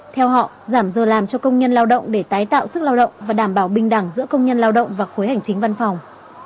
theo họ giảm giờ làm cho công nhân lao động để tái tạo sức lao động và đảm bảo bình đẳng giữa công nhân lao động và khối hành chính văn phòng